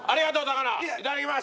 いただきます。